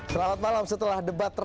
selamat malam setelah debat